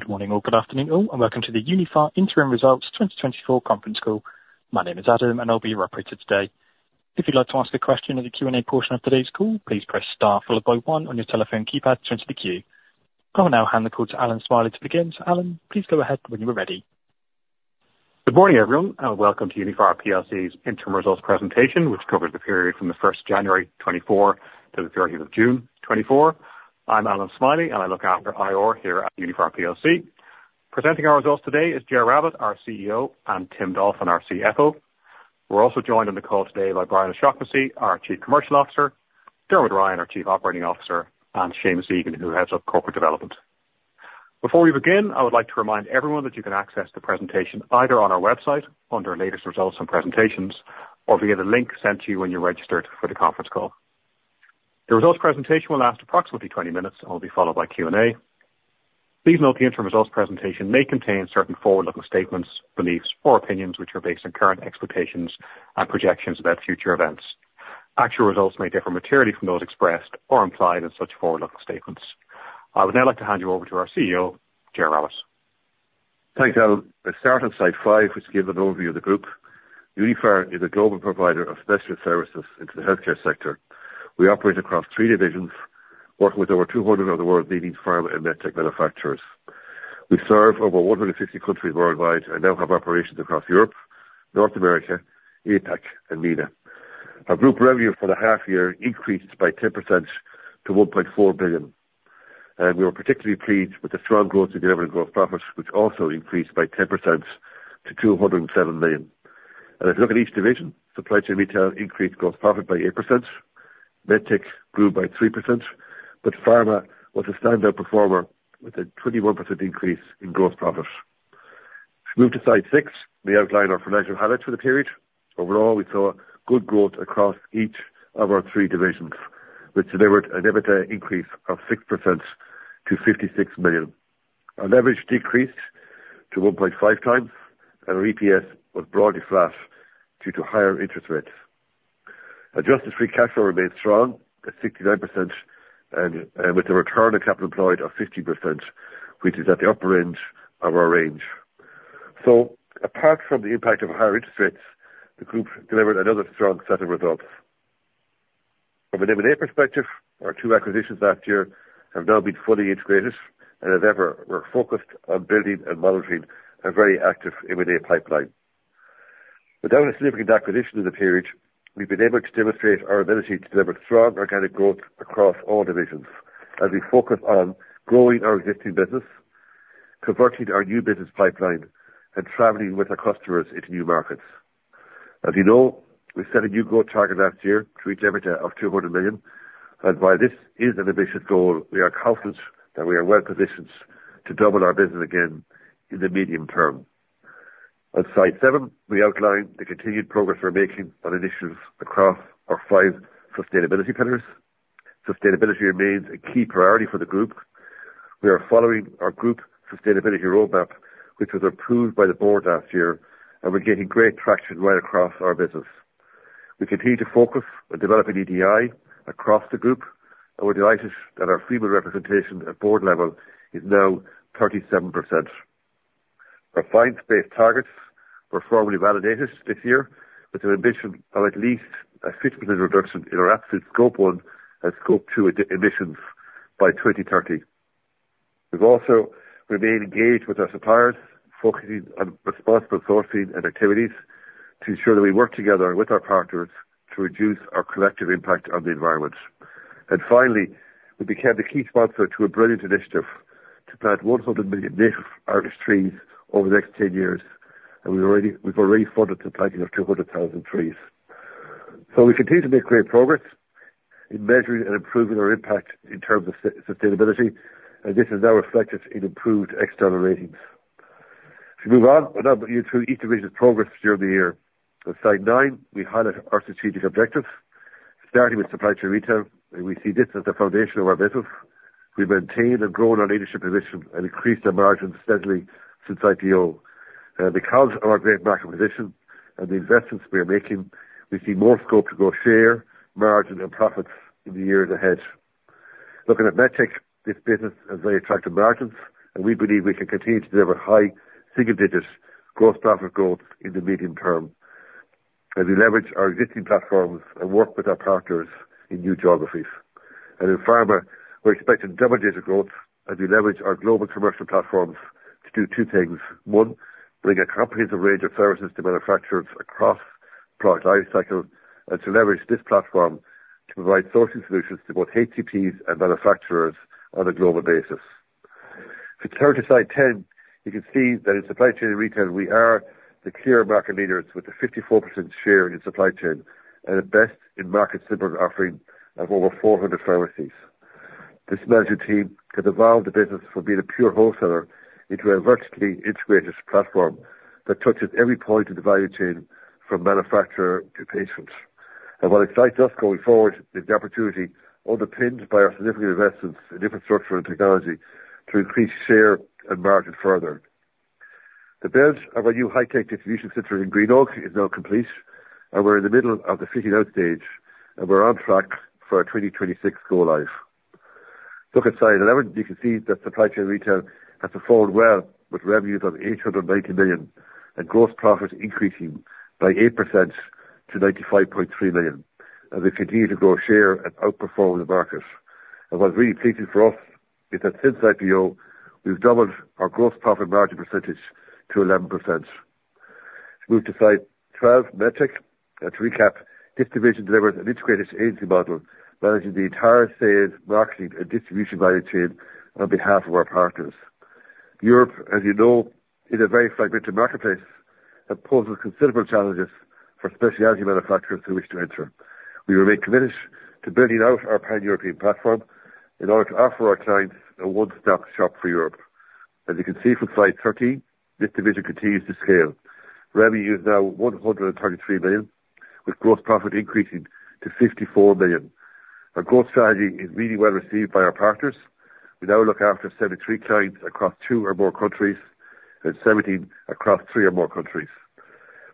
Good morning, all. Good afternoon, all, and welcome to the Uniphar Interim Results 2024 conference call. My name is Adam, and I'll be your operator today. If you'd like to ask a question in the Q&A portion of today's call, please press star followed by one on your telephone keypad to enter the queue. I will now hand the call to Alan Smylie to begin. So Alan, please go ahead when you are ready. Good morning, everyone, and welcome to Uniphar PLC's interim results presentation, which covers the period from the first of January 2024 to the 30th of June 2024. I'm Alan Smylie, and I look after IR here at Uniphar PLC. Presenting our results today is Ger Rabbette, our CEO, and Tim Dolphin, our CFO. We're also joined on the call today by Brian O'Shaughnessy, our Chief Commercial Officer, Dermot Ryan, our Chief Operating Officer, and Seamus Egan, who heads up corporate development. Before we begin, I would like to remind everyone that you can access the presentation either on our website, under Latest Results and Presentations, or via the link sent to you when you registered for the conference call. The results presentation will last approximately 20 minutes and will be followed by Q&A. Please note, the interim results presentation may contain certain forward-looking statements, beliefs, or opinions, which are based on current expectations and projections about future events. Actual results may differ materially from those expressed or implied in such forward-looking statements. I would now like to hand you over to our CEO, Gerard. Thanks, Alan. Let's start on slide five, which gives an overview of the group. Uniphar is a global provider of specialist services into the healthcare sector. We operate across three divisions, working with over 200 of the world's leading pharma and MedTech manufacturers. We serve over 160 countries worldwide and now have operations across Europe, North America, APAC, and MENA. Our group revenue for the half year increased by 10% to 1.4 billion, and we were particularly pleased with the strong growth in the revenue gross profit, which also increased by 10% to 207 million. If you look at each division, Supply Chain & Retail increased gross profit by 8%, Medtech grew by 3%, but Pharma was a standout performer with a 21% increase in gross profit. If we move to slide six, we outline our financial highlights for the period. Overall, we saw good growth across each of our three divisions, which delivered an EBITDA increase of 6% to 56 million. Our leverage decreased to 1.5x, and our EPS was broadly flat due to higher interest rates. Adjusted free cash flow remained strong at 69% and with a return on capital employed of 50%, which is at the upper-end of our range. So apart from the impact of higher interest rates, the group delivered another strong set of results. From an M&A perspective, our two acquisitions last year have now been fully integrated, and as ever, we're focused on building and monitoring a very active M&A pipeline. Without a significant acquisition in the period, we've been able to demonstrate our ability to deliver strong organic growth across all divisions as we focus on growing our existing business, converting our new business pipeline, and traveling with our customers into new markets. As you know, we set a new growth target last year to reach EBITDA of 200 million, and while this is an ambitious goal, we are confident that we are well positioned to double our business again in the medium term. On slide seven, we outline the continued progress we're making on initiatives across our five sustainability pillars. Sustainability remains a key priority for the group. We are following our group sustainability roadmap, which was approved by the board last year, and we're gaining great traction right across our business. We continue to focus on developing EDI across the group, and we're delighted that our female representation at board level is now 37%. Our science-based targets were formally validated this year with an ambition of at least a 50% reduction in our absolute Scope 1 and Scope 2 emissions by 2030. We've also remained engaged with our suppliers, focusing on responsible sourcing and activities to ensure that we work together with our partners to reduce our collective impact on the environment. Finally, we became the key sponsor to a brilliant initiative to plant 100 million native Irish trees over the next 10 years, and we've already funded the planting of 200,000 trees. We continue to make great progress in measuring and improving our impact in terms of sustainability, and this is now reflected in improved external ratings. If we move on, I'll now walk you through each division's progress during the year. On slide nine, we highlight our strategic objectives, starting with Supply Chain & Retail, and we see this as the foundation of our business. We've maintained and grown our leadership position and increased our margins steadily since IPO. Because of our great market position and the investments we are making, we see more scope to grow share, margin, and profits in the years ahead. Looking at Medtech, this business has very attractive margins, and we believe we can continue to deliver high single-digit gross profit growth in the medium term as we leverage our existing platforms and work with our partners in new geographies. And in Pharma, we're expecting double-digit growth as we leverage our global commercial platforms to do two things: One, bring a comprehensive range of services to manufacturers across product life cycles, and to leverage this platform to provide sourcing solutions to both HCPs and manufacturers on a global basis. If we turn to slide 10, you can see that in Supply Chain & Retail, we are the clear market leaders with a 54% share in supply chain and the best-in-market retail offering of over 400 pharmacies. This management team can evolve the business from being a pure wholesaler into a vertically integrated platform that touches every point of the value chain, from manufacturer to patients. What excites us going forward is the opportunity, underpinned by our significant investments in infrastructure and technology, to increase share and margin further. The build of our new high-tech distribution center in Greenogue is now complete, and we're in the middle of the fitting-out stage, and we're on track for our 2026 go live. Look at slide 11, you can see that Supply Chain & Retail has performed well, with revenues of 890 million, and gross profit increasing by 8% to 95.3 million, and we continue to grow share and outperform the market. What's really pleasing for us is that since IPO, we've doubled our gross profit margin percentage to 11%. Move to slide 12, Medtech. To recap, this division delivers an integrated agency model, managing the entire sales, marketing, and distribution value chain on behalf of our partners. Europe, as you know, is a very fragmented marketplace that poses considerable challenges for specialty manufacturers who wish to enter. We remain committed to building out our pan-European platform in order to offer our clients a one-stop shop for Europe. As you can see from slide 13, this division continues to scale. Revenue is now 133 million, with gross profit increasing to 54 million. Our growth strategy is really well-received by our partners. We now look after 73 clients across two or more countries, and 17 across three or more countries.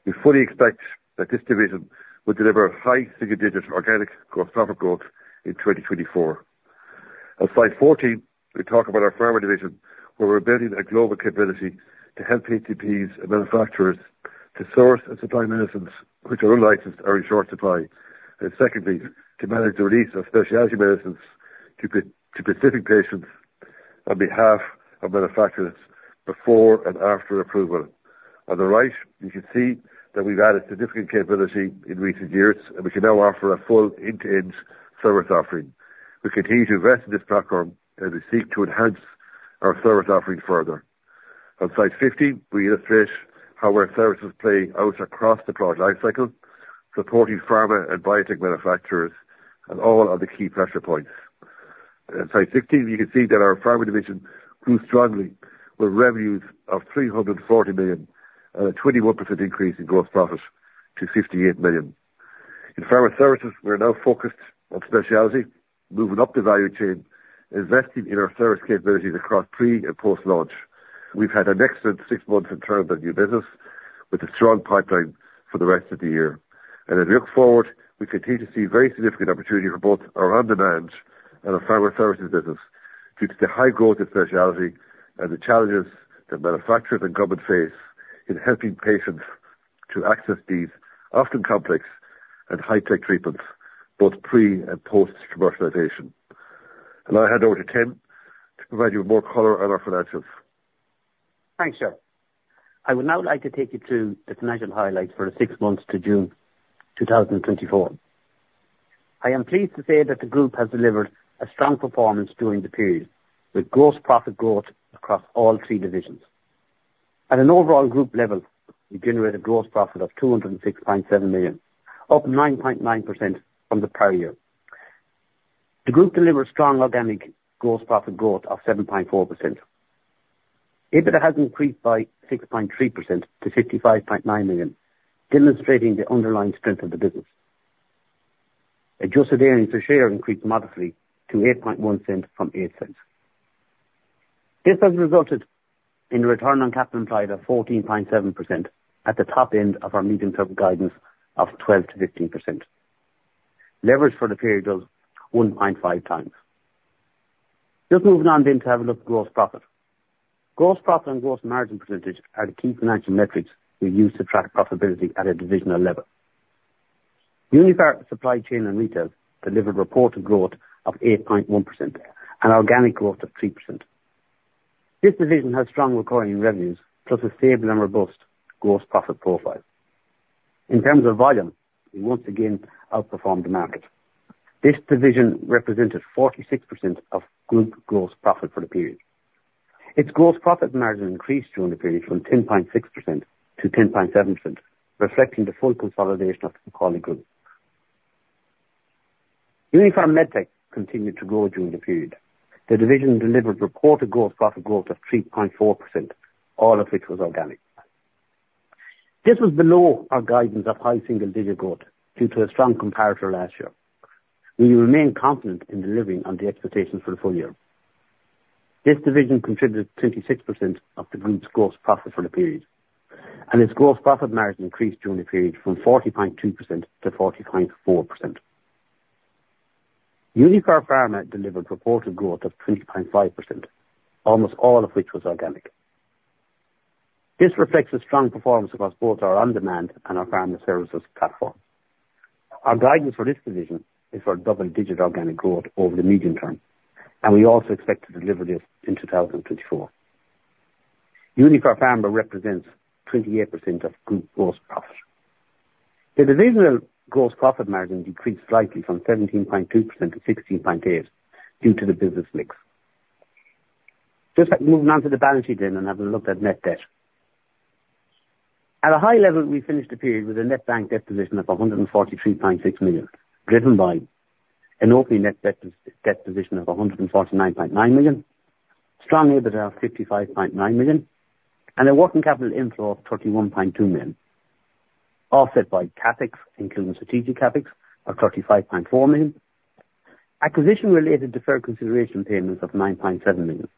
We fully expect that this division will deliver high single-digits organic gross profit growth in 2024. On slide 14, we talk about our Pharma division, where we're building a global capability to help HCPs and manufacturers to source and supply medicines which are unlicensed or in short supply. Secondly, to manage the release of specialty medicines to specific patients on behalf of manufacturers before and after approval. On the right, you can see that we've added significant capability in recent years, and we can now offer a full end-to-end service offering. We continue to invest in this platform, and we seek to enhance our service offerings further. On slide 15, we illustrate how our services play out across the product life cycle, supporting pharma and biotech manufacturers on all of the key pressure points. On slide 16, you can see that our Pharma division grew strongly, with revenues of 340 million, and a 21% increase in gross profit to 58 million. In Pharma Services, we are now focused on specialty, moving up the value chain, investing in our service capabilities across pre- and post-launch. We've had an excellent six months in terms of new business, with a strong pipeline for the rest of the year. As we look forward, we continue to see very significant opportunity for both our On Demand and our Pharma Services business, due to the high growth in specialty and the challenges that manufacturers and government face in helping patients to access these often complex and high-tech treatments, both pre- and post-commercialization. Now I hand over to Tim to provide you with more color on our financials. Thanks, Ger. I would now like to take you through the financial highlights for the six months to June 2024. I am pleased to say that the group has delivered a strong performance during the period, with gross profit growth across all three divisions. At an overall group level, we generated gross profit of 206.7 million, up 9.9% from the prior year. The group delivered strong organic gross profit growth of 7.4%. EBITDA has increased by 6.3% to 55.9 million, demonstrating the underlying strength of the business. Adjusted earnings per share increased modestly to 0.081 from 0.08. This has resulted in return on capital employed of 14.7%, at the top end of our medium-term guidance of 12%-15%. Leverage for the period was 1.5x. Just moving on then to have a look at gross profit. Gross profit and gross margin percentage are the key financial metrics we use to track profitability at a divisional level. Uniphar Supply Chain & Retail delivered reported growth of 8.1% and organic growth of 3%. This division has strong recurring revenues, plus a stable and robust gross profit profile. In terms of volume, we once again outperformed the market. This division represented 46% of group gross profit for the period. Its gross profit margin increased during the period from 10.6% to 10.7%, reflecting the full consolidation of the McCauley Group. Uniphar Medtech continued to grow during the period. The division delivered reported gross profit growth of 3.4%, all of which was organic. This was below our guidance of high single-digit growth due to a strong comparator last year. We remain confident in delivering on the expectations for the full year. This division contributed 26% of the group's gross profit for the period, and its gross profit margin increased during the period from 40.2% to 40.4%. Uniphar Pharma delivered reported growth of 20.5%, almost all of which was organic. This reflects a strong performance across both our On Demand and our Pharma Services platform. Our guidance for this division is for double-digit organic growth over the medium term, and we also expect to deliver this in 2024. Uniphar Pharma represents 28% of group gross profit. The divisional gross profit margin decreased slightly from 17.2% to 16.8%, due to the business mix. Just moving on to the balance sheet then, and have a look at net debt. At a high level, we finished the period with a net bank debt position of 143.6 million, driven by an opening net debt, debt position of 149.9 million, strong EBITDA of 55.9 million, and a working capital inflow of 31.2 million, offset by CapEx, including strategic CapEx, of 35.4 million. Acquisition-related deferred consideration payments of 9.7 million,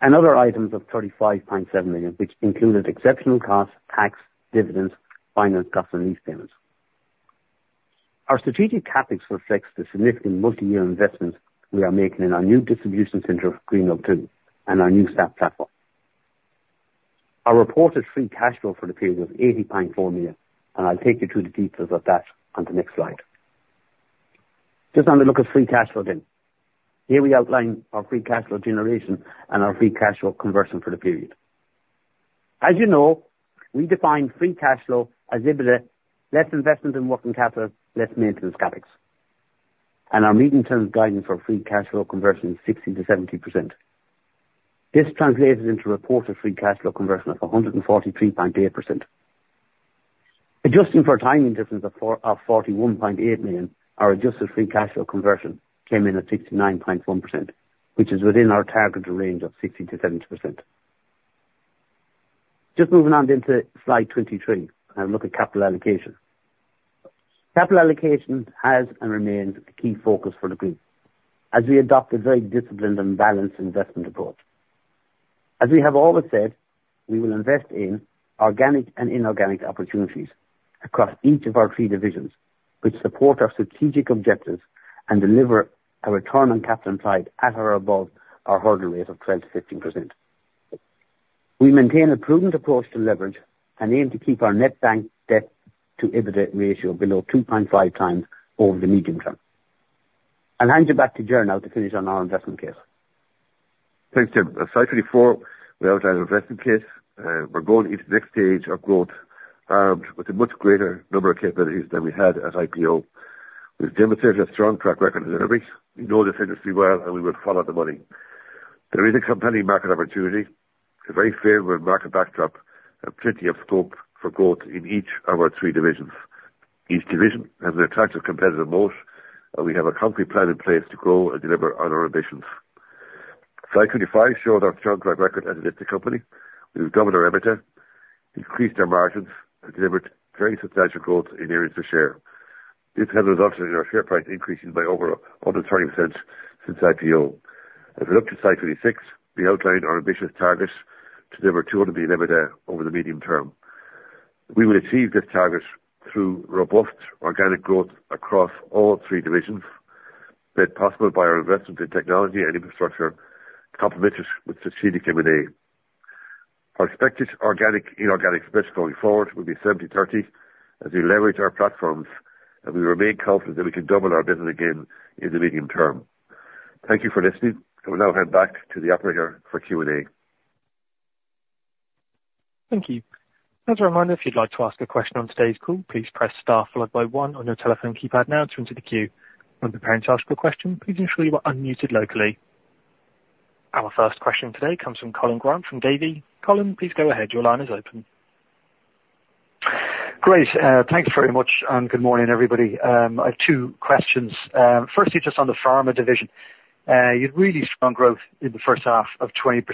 and other items of 35.7 million, which included exceptional costs, tax, dividends, finance costs, and lease payments. Our strategic CapEx reflects the significant multi-year investment we are making in our new distribution center, Greenogue 2, and our new SAP platform. Our reported free cash flow for the period was 80.4 million, and I'll take you through the details of that on the next slide. Just on the look of free cash flow then. Here we outline our free cash flow generation and our free cash flow conversion for the period. As you know, we define free cash flow as EBITDA, less investment in working capital, less maintenance CapEx, and our medium-term guidance for free cash flow conversion is 60%-70%. This translated into reported free cash flow conversion of 143.8%. Adjusting for a timing difference of 41.8 million, our adjusted free cash flow conversion came in at 69.1%, which is within our targeted range of 60%-70%. Just moving on then to slide 23, and a look at capital allocation. Capital allocation has and remains the key focus for the group, as we adopt a very disciplined and balanced investment approach. As we have always said, we will invest in organic and inorganic opportunities across each of our three divisions, which support our strategic objectives and deliver a return on capital inside, at or above our hurdle rate of 12%-15%. We maintain a prudent approach to leverage and aim to keep our net bank debt to EBITDA ratio below 2.5x over the medium term. I'll hand you back to Ger now to finish on our investment case. Thanks, Tim. On slide 34, we outlined our investment case. We're going into the next stage of growth, with a much greater number of capabilities than we had at IPO. We've demonstrated a strong track record of delivery. We know this industry well, and we will follow the money. There is a compelling market opportunity, a very favorable market backdrop, and plenty of scope for growth in each of our three divisions. Each division has an attractive competitive moat, and we have a concrete plan in place to grow and deliver on our ambitions. Slide 25 shows our strong track record as a listed company. We've grown our EBITDA, increased our margins, and delivered very substantial growth in earnings per share. This has resulted in our share price increasing by over 130% since IPO. If we look to slide 36, we outlined our ambitious target to deliver 200 million EBITDA over the medium term. We will achieve this target through robust organic growth across all three divisions, made possible by our investment in technology and infrastructure, complemented with strategic M&A. Our expected organic, inorganic split going forward will be 70/30, as we leverage our platforms, and we remain confident that we can double our business again in the medium term. Thank you for listening. I will now hand back to the operator for Q&A. Thank you. As a reminder, if you'd like to ask a question on today's call, please press star followed by one on your telephone keypad now to enter the queue. When preparing to ask your question, please ensure you are unmuted locally. Our first question today comes from Colin Grant from Davy. Colin, please go ahead. Your line is open. Great. Thanks very much, and good morning, everybody. I have two questions. Firstly, just on the Pharma division. You had really strong growth in the first half of 20%,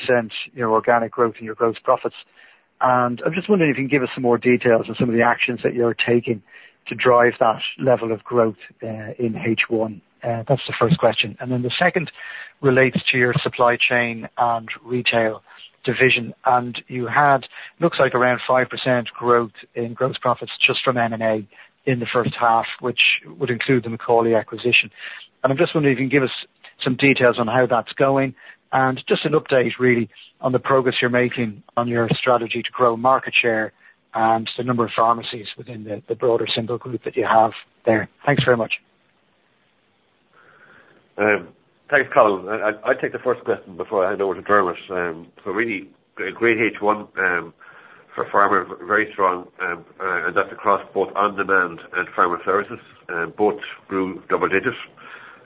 your organic growth and your gross profits. And I'm just wondering if you can give us some more details on some of the actions that you're taking to drive that level of growth, in H1? That's the first question. And then the second relates to your Supply Chain & Retail division, and you had, looks like around 5% growth in gross profits just from M&A in the first half, which would include the McCauley acquisition. I'm just wondering if you can give us some details on how that's going, and just an update, really, on the progress you're making on your strategy to grow market share and the number of pharmacies within the broader symbol group that you have there? Thanks very much. Thanks, Colin. I'd take the first question before I hand over to Dermot. So really, a great H1 for Pharma, very strong, and that's across both On Demand and Pharma Services, both grew double-digits.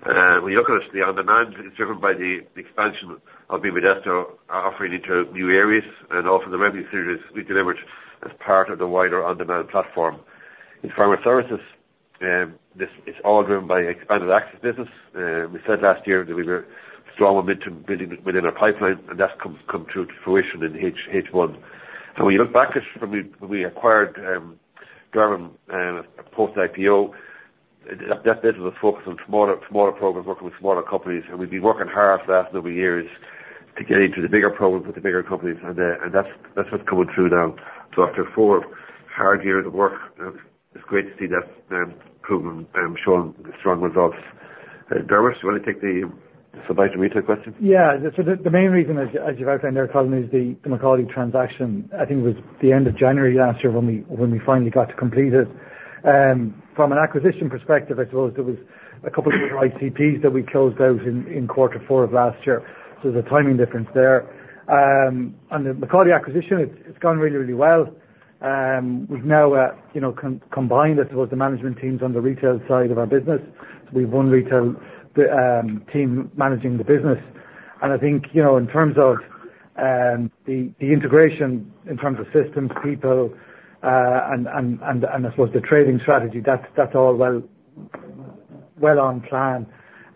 When you look at the On Demand, it's driven by the expansion of BModesto offering into new areas, and also the revenue services we delivered as part of the wider On Demand platform. In Pharma Services, this is all driven by expanded access business. We said last year that we were strong with midterm building within our pipeline, and that's come true to fruition in H1. When you look back at when we acquired Durbin post-IPO, that business was focused on smaller programs, working with smaller companies, and we've been working hard for the last number of years to get into the bigger programs with the bigger companies, and that's what's coming through now. After four hard years of work, it's great to see that proven and showing strong results. Dermot, do you want to take the Supply Chain & Retail question? Yeah. So the main reason, as you've outlined there, Colin, is the McCauley transaction. I think it was the end of January last year when we finally got to complete it. From an acquisition perspective, I suppose there was a couple of little ICPs that we closed out in quarter four of last year, so there's a timing difference there. And the McCauley acquisition, it's gone really well. We've now, you know, combined as well the management teams on the retail side of our business. We have one retail team managing the business. And I think, you know, in terms of the integration, in terms of systems, people, and I suppose the trading strategy, that's all well managed. Well on plan,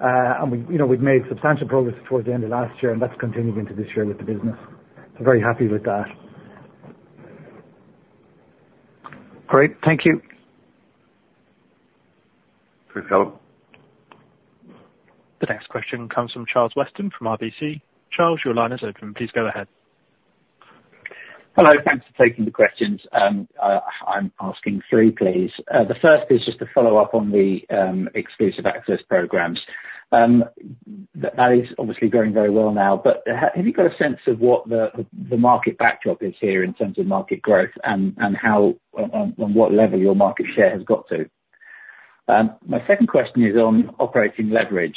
and we, you know, we've made substantial progress towards the end of last year, and that's continuing into this year with the business, so very happy with that. Great. Thank you. Please go. The next question comes from Charles Weston from RBC. Charles, your line is open. Please go ahead. Hello. Thanks for taking the questions. I'm asking three, please. The first is just to follow up on the expanded access programs. That is obviously going very well now, but have you got a sense of what the market backdrop is here in terms of market growth and how, on what level your market share has got to? My second question is on operating leverage.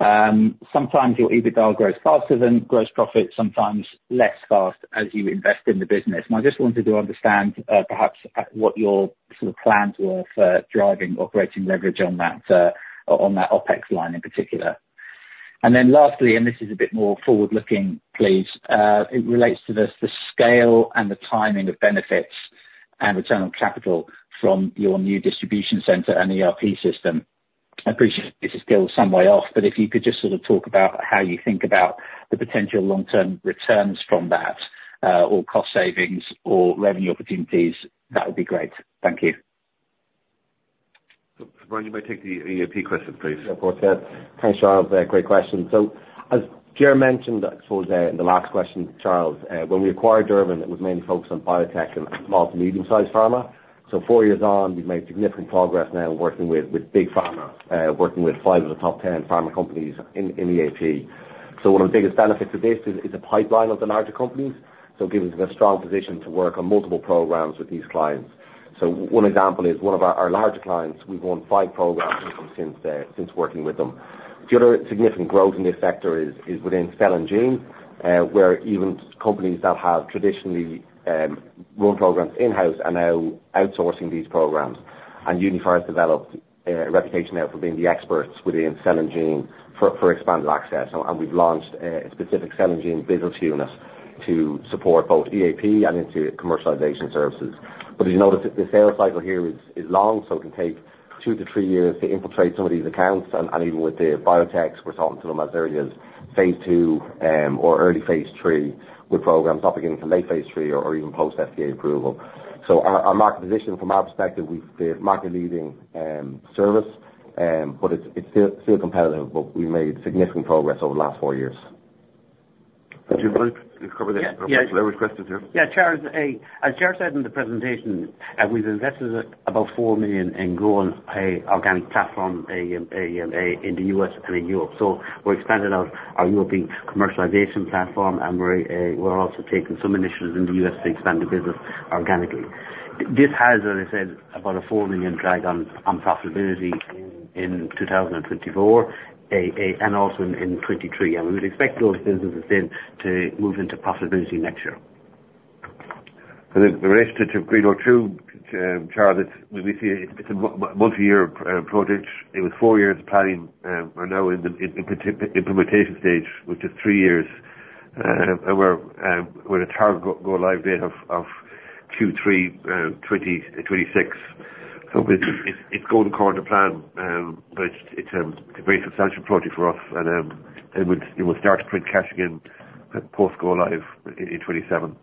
Sometimes your EBITDA grows faster than gross profit, sometimes less fast as you invest in the business. And I just wanted to understand, perhaps, what your sort of plans were for driving operating leverage on that OpEx line in particular. And then lastly, and this is a bit more forward looking, please, it relates to the scale and the timing of benefits and return on capital from your new distribution center and ERP system. I appreciate this is still some way off, but if you could just sort of talk about how you think about the potential long-term returns from that, or cost savings or revenue opportunities, that would be great. Thank you. So Brian, you might take the EAP question, please. Yeah, of course. Yeah. Thanks, Charles. Great question. So as Ger mentioned, I suppose, in the last question, Charles, when we acquired Durbin, it was mainly focused on biotech and small to medium-sized pharma. So four years on, we've made significant progress now working with big pharma, working with five of the top 10 pharma companies in EAP. So one of the biggest benefits of this is the pipeline of the larger companies. So it gives us a strong position to work on multiple programs with these clients. So one example is one of our larger clients, we've won five programs with them since working with them. The other significant growth in this sector is within cell and gene, where even companies that have traditionally run programs in-house are now outsourcing these programs. Uniphar has developed a reputation now for being the experts within cell and gene for expanded access. We've launched a specific Cell and Gene business unit to support both EAP and into commercialization services. As you know, the sales cycle here is long, so it can take two to three years to infiltrate some of these accounts. Even with the biotechs, we're talking to them as early as phase II or early phase III, with programs up again to late-phase III or even post-FDA approval. Our market position from our perspective, we've the market leading service, but it's still competitive, but we made significant progress over the last four years. Tim, do you want to cover the rest of questions here? Yeah, Charles, as Gerard said in the presentation, we've invested about 4 million in growing a organic platform in the U.S. and in Europe. So we've expanded out our European Commercialization Platform, and we're also taking some initiatives in the U.S. to expand the business organically. This has, as I said, about a 4 million drag on profitability in 2024 and also in 2023. We would expect those businesses then to move into profitability next year. And then the rest of three or two, Charles. It's a multi-year project. When we see it, it's a multi-year project. It was four years planning, and now we're in the implementation stage, which is three years. And we're with a target go live date of Q3 2026. So it's going according to plan. But it's a very substantial project for us, and it will start to bring cash again post go live in 2027.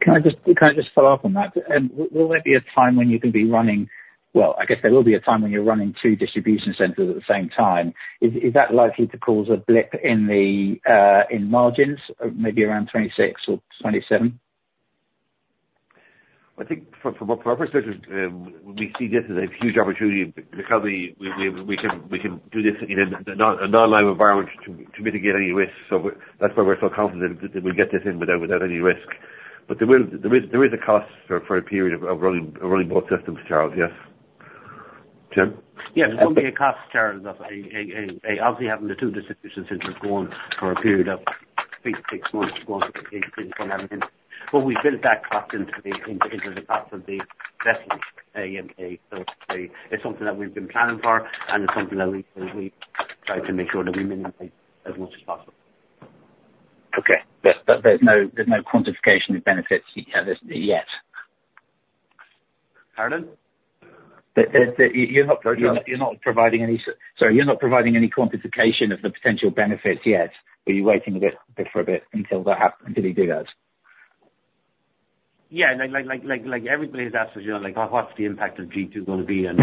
Can I just follow up on that? Will there be a time when you can be running two distribution centers at the same time? Well, I guess there will be a time when you are running two distribution centers at the same time. Is that likely to cause a blip in the margins, maybe around 2026 or 2027? I think from our perspective, we see this as a huge opportunity for the company. We can do this in a non-live environment to mitigate any risk. So that's why we're so confident that we'll get this in without any risk. But there will... there is a cost for a period of running both systems, Charles, yes. Tim? Yes, there's going to be a cost, Charles, obviously, having the two distribution centers going for a period of six months once everything... But we built that cost into the cost of the investment, so it's something that we've been planning for, and it's something that we try to make sure that we minimize as much as possible. Okay. There's no quantification of benefits yet? Pardon? That, you're not. Sorry, Charles. Sorry, you're not providing any quantification of the potential benefits yet, or you're waiting a bit until you do that? Yeah, like everybody's asked us, you know, like, "Oh, what's the impact of G2 going to be?" And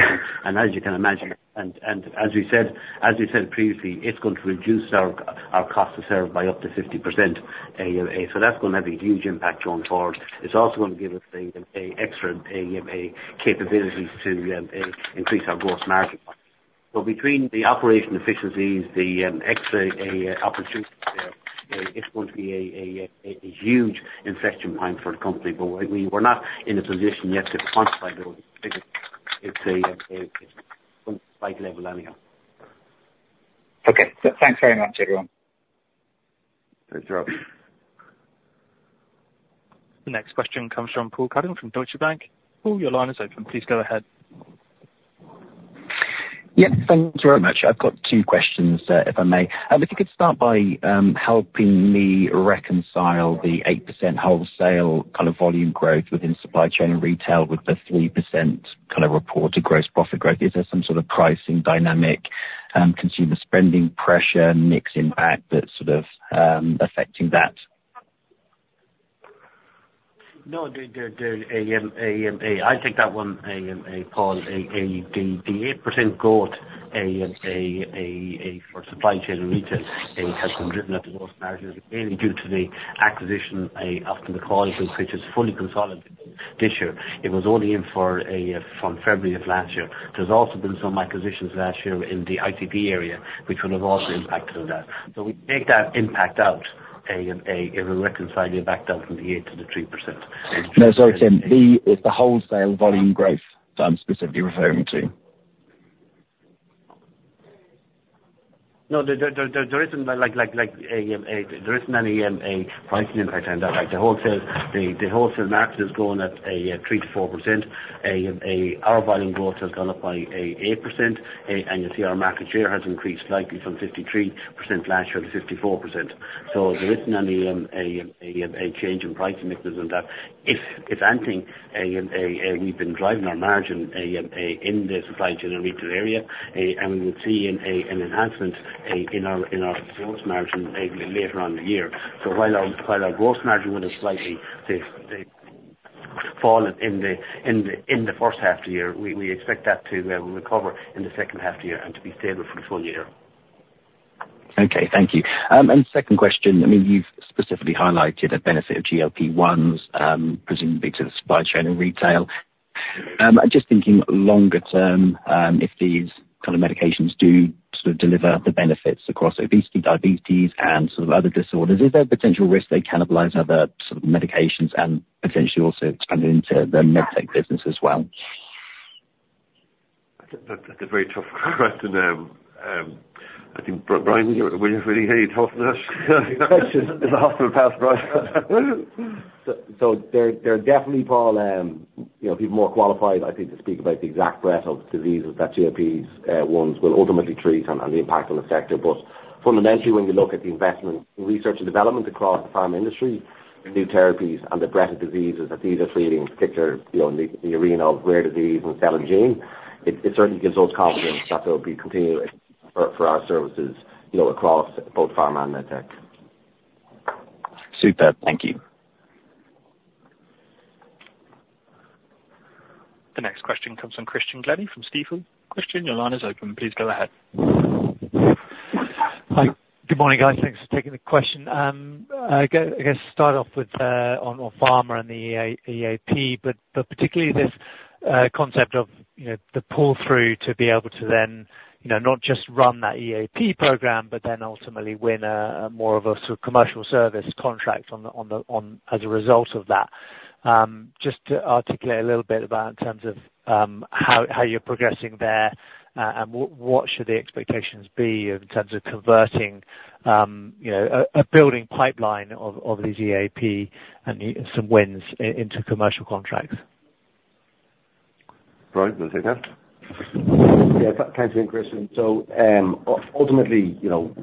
as you can imagine, and as we said previously, it's going to reduce our cost to serve by up to 50%. So that's going to have a huge impact going forward. It's also going to give us a extra capabilities to increase our gross margin. So between the operation efficiencies, the extra opportunities there, it's going to be a huge inflection point for the company. But we're not in a position yet to quantify those figures. It's site-level anyhow. Okay. Thanks very much, everyone. Thanks, Charles. The next question comes from Paul Cuddon from Deutsche Bank. Paul, your line is open. Please go ahead. Yeah, thank you very much. I've got two questions, if I may. If you could start by helping me reconcile the 8% wholesale kind of volume growth within Supply Chain & Retail with the 3% kind of reported gross profit growth. Is there some sort of pricing dynamic, consumer spending pressure, mix impact that's sort of affecting that? I'll take that one, Paul. The 8% growth for Supply Chain & Retail has been driven up the gross margins, mainly due to the acquisition of the McCauley group, which is fully consolidated this year. It was only in from February of last year. There's also been some acquisitions last year in the ITB area, which would have also impacted on that. So we take that impact out, it will reconcile you back down from the 8% to the 3%. No, sorry, Tim. It's the wholesale volume growth that I'm specifically referring to. No, there isn't any pricing impact on that. Like, the wholesale market is growing at 3%-4%. Our volume growth has gone up by 8%, and you'll see our market share has increased slightly from 53% last year to 54%. So there isn't any change in pricing mixes on that. If anything, we've been driving our margin in the Supply Chain & Retail area, and we would see an enhancement in our gross margin later on in the year. So while our gross margin would have slightly fallen in the first half of the year, we expect that to recover in the second half of the year and to be stable for the full year. Okay. Thank you. And second question, I mean, you've specifically highlighted the benefit of GLP-1s, presumably to the Supply Chain & Retail. Just thinking longer term, if these kind of medications do sort of deliver the benefits across obesity, diabetes, and some other disorders, is there a potential risk they cannibalize other sort of medications and potentially also expand into the Medtech business as well? That's a very tough question. I think, Brian, would you have any thoughts on that? There's a hospital pass, Brian. So there definitely, Paul, you know, people more qualified, I think, to speak about the exact breadth of diseases that GLP-1s will ultimately treat and the impact on the sector. But fundamentally, when you look at the investment in research and development across the pharma industry, new therapies and the breadth of diseases that these are treating, in particular, you know, in the arena of rare disease and cell and gene, it certainly gives us confidence that there will be continued for our services, you know, across both Pharma and Medtech. Superb. Thank you. The next question comes from Christian Glennie from Stifel. Christian, your line is open. Please go ahead. Hi. Good morning, guys. Thanks for taking the question. I guess start off with on Pharma and the EAP, but particularly this concept of, you know, the pull-through to be able to then, you know, not just run that EAP program, but then ultimately win a more of a commercial service contract on the as a result of that. Just to articulate a little bit about in terms of how you're progressing there, and what should the expectations be in terms of converting, you know, a building pipeline of the EAP and some wins into commercial contracts? Brian, do you want to take that? Yeah, thanks again, Christian. So, ultimately, you know,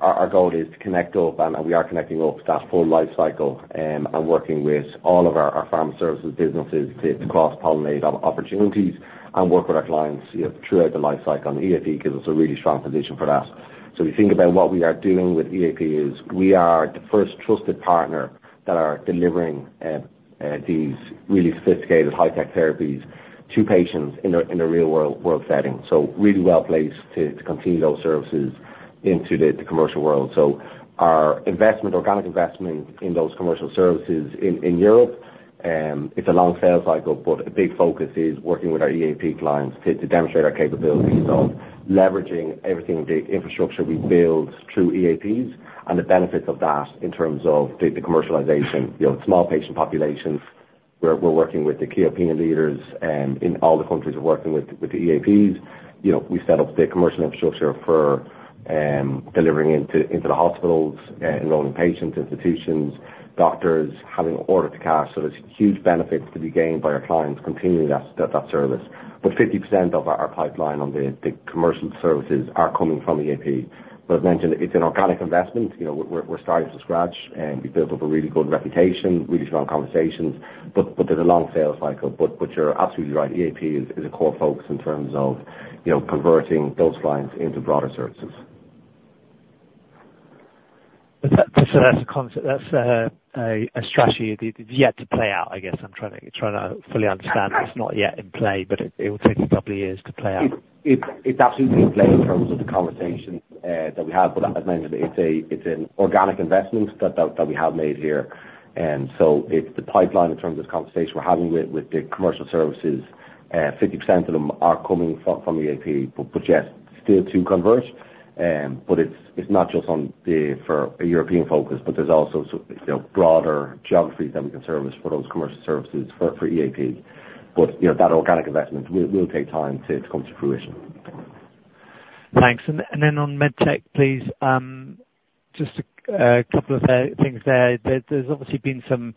our goal is to connect up, and we are connecting up that full life cycle, and working with all of our Pharma Services businesses to cross-pollinate on opportunities and work with our clients, you know, throughout the life cycle. And the EAP gives us a really strong position for that. So we think about what we are doing with EAP is, we are the first trusted partner that are delivering these really sophisticated high-tech therapies to patients in a real world setting. So really well placed to continue those services into the commercial world. So our investment, organic investment in those commercial services in Europe, it's a long sales cycle, but a big focus is working with our EAP clients to demonstrate our capabilities of leveraging everything, the infrastructure we build through EAPs and the benefits of that in terms of the commercialization. You know, small patient populations, we're working with the key opinion leaders in all the countries we're working with, with the EAPs. You know, we set up the commercial infrastructure for delivering into the hospitals, enrolling patients, institutions, doctors, having order to cash. So there's huge benefits to be gained by our clients continuing that service. But 50% of our pipeline on the commercial services are coming from EAP. But as mentioned, it's an organic investment. You know, we're starting from scratch, and we've built up a really good reputation, really strong conversations, but you're absolutely right, EAP is a core focus in terms of, you know, converting those clients into broader services. That's a concept. That's a strategy that is yet to play out, I guess. I'm trying to fully understand. It's not yet in play, but it will take a couple of years to play out. It's absolutely in play in terms of the conversations that we have. But as mentioned, it's an organic investment that we have made here. And so it's the pipeline in terms of conversations we're having with the commercial services. 50% of them are coming from the EAP, but yes, still to convert. But it's not just on the for a European focus, but there's also sort of, you know, broader geographies that we can service for those commercial services for EAP. But, you know, that organic investment will take time to come to fruition. Thanks. And then on Medtech, please, just a couple of things there. There's obviously been some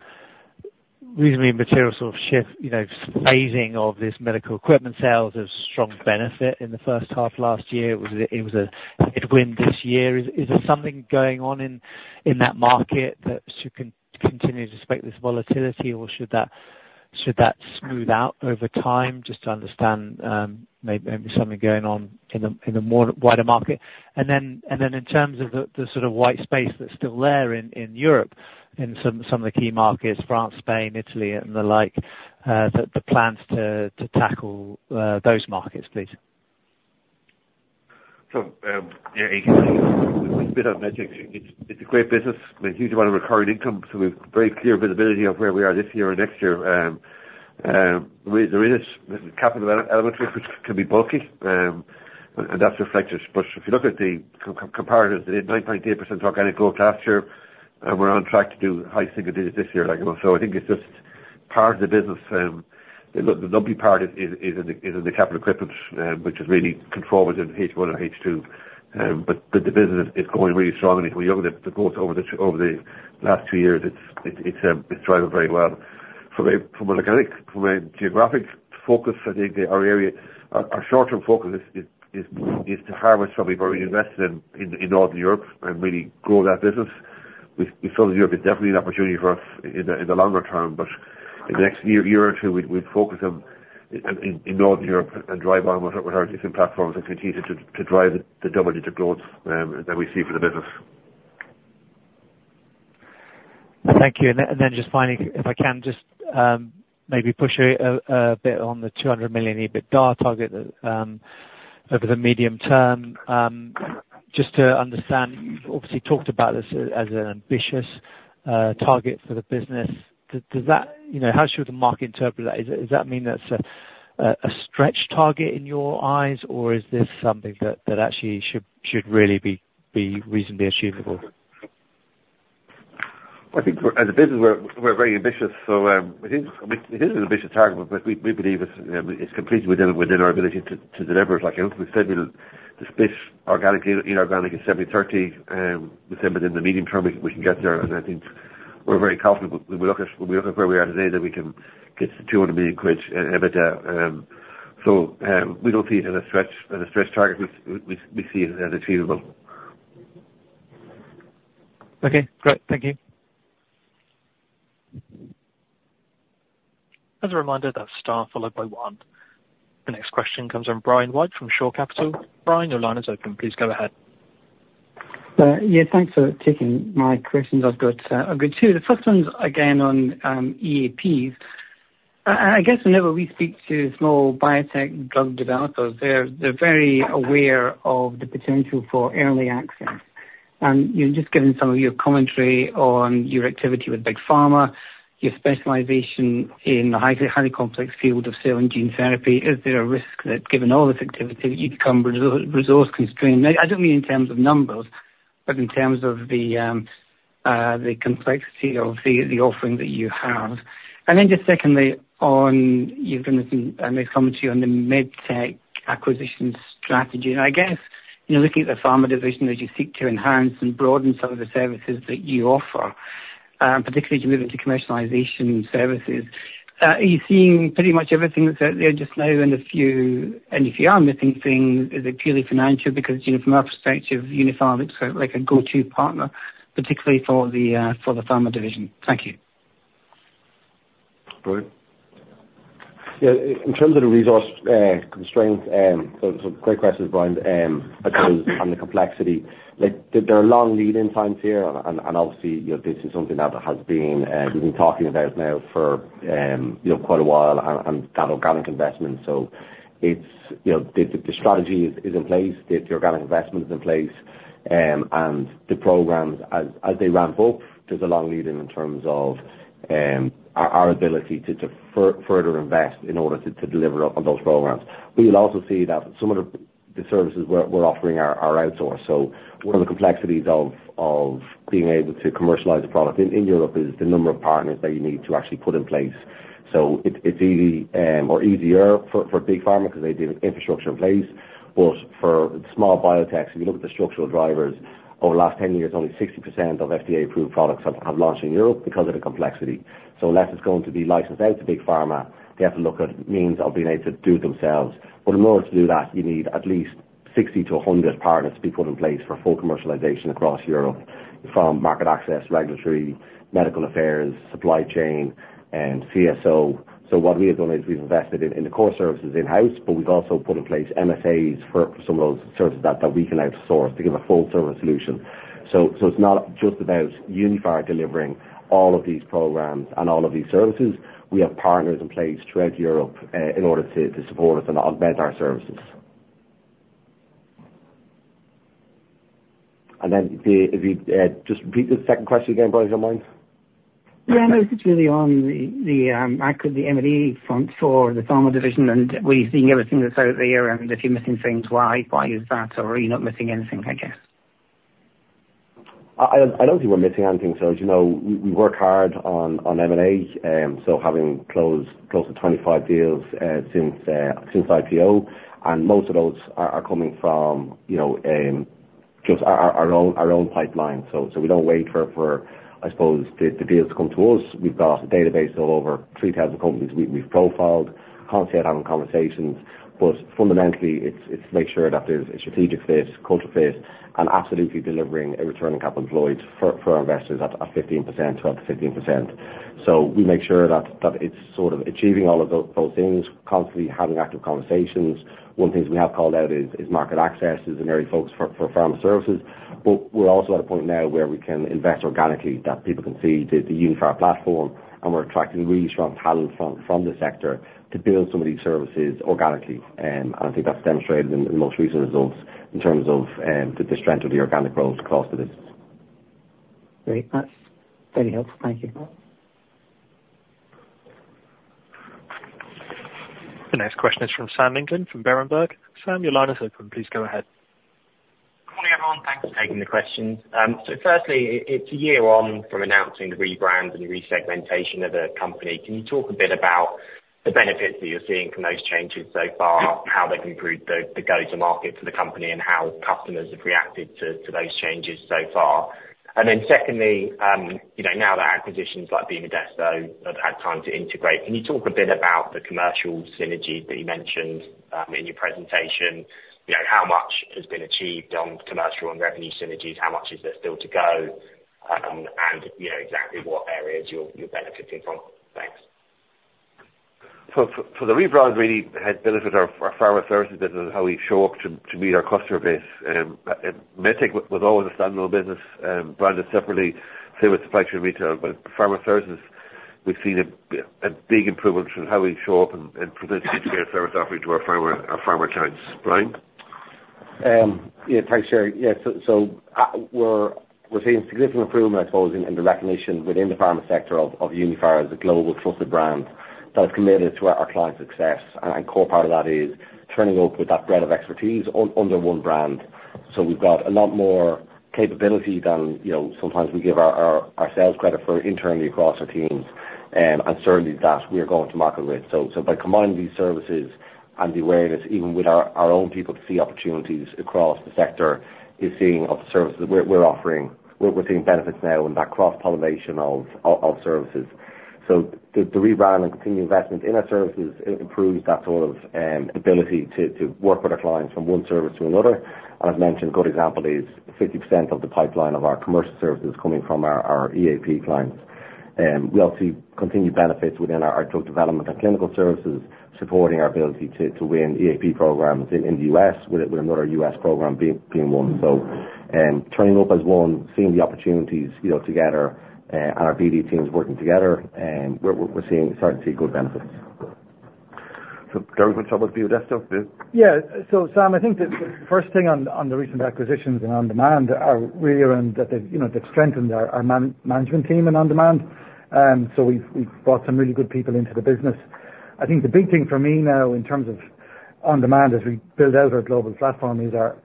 reasonably material sort of shift, you know, phasing of this medical equipment sales of strong benefit in the first half last year. It was a headwind this year. Is there something going on in that market that should continue to expect this volatility, or should that smooth out over time? Just to understand, maybe something going on in the more wider market. And then in terms of the sort of white space that's still there in Europe, in some of the key markets, France, Spain, Italy, and the like, the plans to tackle those markets, please. Yeah, you can see a bit of Medtech. It's a great business with a huge amount of recurring income, so we've very clear visibility of where we are this year or next year. There is this capital element, which can be bulky, and that's reflected. But if you look at the comparatives, the 9.8% organic growth last year, and we're on track to do high single-digits this year, like, so I think it's just part of the business. The lumpy part is in the capital equipment, which is really controlled within H1 and H2. But the business is going really strongly for the growth over the last two years. It's driving very well. From a geographic focus, I think that our short-term focus is to harvest what we've already invested in Northern Europe and really grow that business. We feel that Europe is definitely an opportunity for us in the longer term, but in the next year or two, we focus on in Northern Europe and drive on with our different platforms and continue to drive the double-digit growth that we see for the business. Thank you. And then just finally, if I can just maybe push a bit on the 200 million EBITDA target over the medium term. Just to understand, you've obviously talked about this as an ambitious target for the business. Does that... You know, how should the market interpret that? Does that mean that's a stretch target in your eyes, or is this something that actually should really be reasonably achievable? I think we're, as a business, very ambitious, so it is an ambitious target, but we believe it's completely within our ability to deliver. Like we said, you know, the split organic, inorganic is 70/30 within the medium term, we can get there, and I think we're very confident when we look at where we are today, that we can get to EUR 200 million, which EBITDA. So we don't see it as a stretch target. We see it as achievable. Okay, great. Thank you. As a reminder, that's star followed by one. The next question comes from Brian White, from Shore Capital. Brian, your line is open. Please go ahead. Yeah, thanks for taking my questions. I've got, I've got two. The first one's again on EAPs. And I guess whenever we speak to small biotech drug developers, they're, they're very aware of the potential for early access. And, you know, just given some of your commentary on your activity with Big Pharma, your specialization in the highly, highly complex field of cell and gene therapy, is there a risk that given all this activity, you become resource constrained? I don't mean in terms of numbers, but in terms of the complexity of the offering that you have. And then just secondly, on... You're going to see, and they've come to you on the MedTech acquisition strategy. I guess, you know, looking at the Pharma division, as you seek to enhance and broaden some of the services that you offer, particularly to move into commercialization services, are you seeing pretty much everything that's out there just now, and if you are missing things, is it purely financial? Because, you know, from our perspective, Uniphar, it's like a go-to partner, particularly for the Pharma division. Thank you. Brian? Yeah, in terms of the resource constraints, so, so great questions, Brian, and the complexity, like, there are long lead-in times here, and obviously, you know, this is something that has been, we've been talking about now for, you know, quite a while, and that organic investment. So it's, you know, the strategy is in place. The organic investment is in place. And the programs as they ramp up, there's a long lead in terms of our ability to further invest in order to deliver on those programs. We'll also see that some of the services we're offering are outsourced. So one of the complexities of being able to commercialize a product in Europe is the number of partners that you need to actually put in place. So it's easy, or easier for Big Pharma because they deal with infrastructure in place. But for small biotechs, if you look at the structural drivers, over the last 10 years, only 60% of FDA-approved products have launched in Europe because of the complexity. So unless it's going to be licensed out to Big Pharma, they have to look at means of being able to do it themselves. But in order to do that, you need at least 60-100 partners to be put in place for full commercialization across Europe, from market access, regulatory, medical affairs, supply chain, and CSO. So what we have done is we've invested in the core services in-house, but we've also put in place MSAs for some of those services that we can outsource to give a full-service solution. So it's not just about Uniphar delivering all of these programs and all of these services. We have partners in place throughout Europe in order to support us and augment our services. And then if you just repeat the second question again, Brian, do you mind? Yeah, no, it's really on the back of the M&A front for the Pharma division, and we're seeing everything that's out there, and if you're missing things, why? Why is that? Or are you not missing anything, I guess? I don't think we're missing anything. So, as you know, we work hard on M&A, so having closed close to 25 deals since IPO, and most of those are coming from, you know, just our own pipeline. So we don't wait for, I suppose, the deals to come to us. We've got a database of over 3,000 companies we've profiled. Can't say I'm having conversations, but fundamentally, it's to make sure that there's a strategic fit, culture fit, and absolutely delivering a return on capital employed for our investors at 15%, 12%-15%. So we make sure that it's sort of achieving all of those things, constantly having active conversations. One thing we have called out is market access is an area of focus for Pharma Services. But we're also at a point now where we can invest organically, that people can see the Uniphar platform, and we're attracting really strong talent from the sector to build some of these services organically. I think that's demonstrated in the most recent results in terms of the strength of the organic growth across the business. Great. That's very helpful. Thank you. The next question is from Sam England, from Berenberg. Sam, your line is open. Please go ahead. Good morning, everyone. Thanks for taking the questions. So firstly, it's a year on from announcing the rebrand and resegmentation of the company. Can you talk a bit about the benefits that you're seeing from those changes so far? How they've improved the go-to-market for the company, and how customers have reacted to those changes so far? And then secondly, you know, now that acquisitions like BModesto have had time to integrate, can you talk a bit about the commercial synergies that you mentioned in your presentation? You know, how much has been achieved on commercial and revenue synergies? How much is there still to go? And you know, exactly what areas you're benefiting from. Thanks. For the rebrand, really had benefited our Pharma Services business and how we show up to meet our customer base. And Medtech was always a standalone business, branded separately, same with Supply Chain & Retail, but Pharma Services, we've seen a big improvement in how we show up and present the integrated service offering to our Pharma clients. Brian? Yeah, thanks, Ger. Yeah, so we're seeing significant improvement, I suppose, in the recognition within the Pharma sector of Uniphar as a global trusted brand that is committed to our client success. And core part of that is turning up with that breadth of expertise under one brand. We've got a lot more capability than, you know, sometimes we give our sales credit for internally across our teams, and certainly that we are going to market with. By combining these services and the awareness, even with our own people to see opportunities across the sector, is seeing of the services we're offering. We're seeing benefits now in that cross-pollination of services. The rebrand and continued investment in our services improves that sort of ability to work with our clients from one service to another. And as mentioned, a good example is 50% of the pipeline of our commercial services coming from our EAP clients. We also see continued benefits within our drug development and clinical services, supporting our ability to win EAP programs in the U.S., with another U.S. program being one, so team up as one, seeing the opportunities, you know, together, and our BD teams working together, we're starting to see good benefits. So Dermot, do you want to talk about BModesto? Yeah. So Sam, I think the first thing on the recent acquisitions and On Demand are really around that, you know, they've strengthened our management team in On Demand. So we've brought some really good people into the business. I think the big thing for me now, in terms of On Demand, as we build out our global platform, is our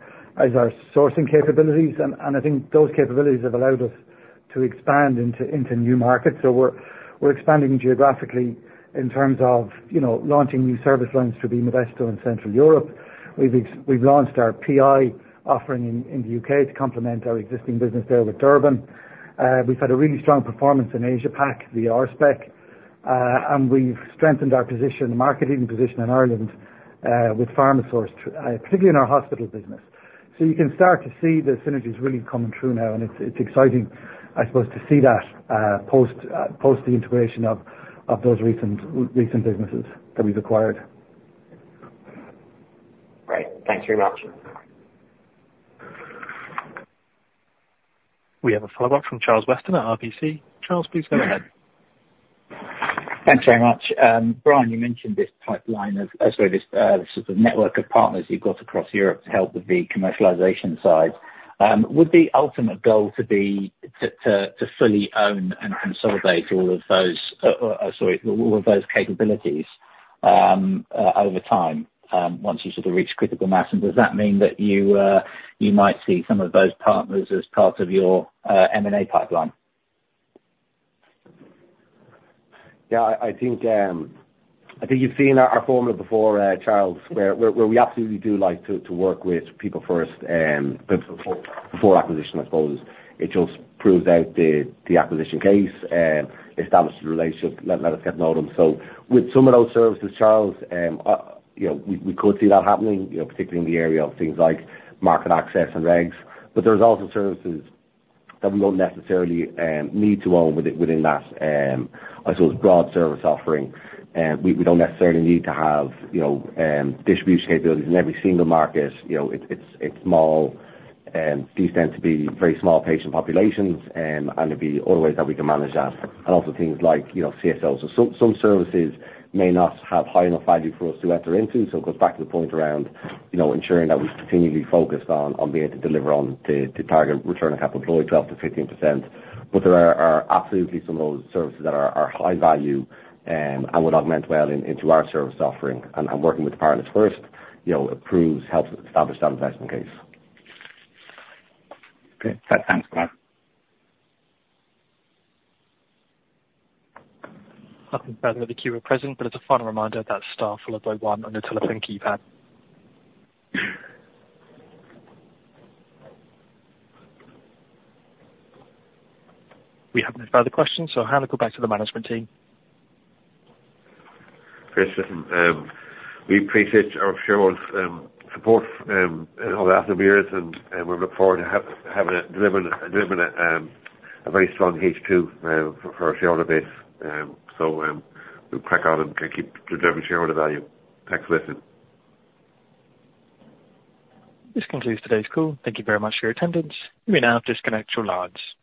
sourcing capabilities, and I think those capabilities have allowed us to expand into new markets. So we're expanding geographically in terms of, you know, launching new service lines through BModesto in Central Europe. We've launched our PI offering in the U.K. to complement our existing business there with Durbin. We've had a really strong performance in Asia-Pac, the Orspec. And we've strengthened our position, marketing position in Ireland, with PharmaSource, particularly in our Hospital business. So you can start to see the synergies really coming through now, and it's exciting, I suppose, to see that post the integration of those recent businesses that we've acquired. Great. Thanks very much. We have a follow-up from Charles Weston at RBC. Charles, please go ahead. Thanks very much. Brian, you mentioned this pipeline of, sorry, this sort of network of partners you've got across Europe to help with the commercialization side. Would the ultimate goal be to fully own and consolidate all of those capabilities over time once you sort of reach critical mass? And does that mean that you might see some of those partners as part of your M&A pipeline? Yeah, I think you've seen our formula before, Charles, where we absolutely do like to work with people first, before acquisition, I suppose. It just proves out the acquisition case, establishes the relationship, let us get to know them. So with some of those services, Charles, you know, we could see that happening, you know, particularly in the area of things like market access and regs. But there's also services that we don't necessarily need to own within that, I suppose, broad service offering. We don't necessarily need to have, you know, distribution capabilities in every single market. You know, it's small. These tend to be very small patient populations, and there'd be other ways that we can manage that, and also things like, you know, CSOs. So some services may not have high-enough value for us to enter into. So it goes back to the point around, you know, ensuring that we're continually focused on being able to deliver on the target return on capital employed, 12%-15%. But there are absolutely some of those services that are high value, and would augment well into our service offering. And working with partners first, you know, proves, helps establish the investment case. Okay. Thanks, Brian. Nothing further with the queue at present, but as a final reminder, that star followed by one on your telephone keypad. We have no further questions, so I'll hand it back to the management team. Great. Listen, we appreciate our shareholders' support over the years, and we look forward to delivering a very strong H2 for our shareholder base. So, we'll crack on and keep delivering shareholder value. Thanks for listening. This concludes today's call. Thank you very much for your attendance. You may now disconnect your lines.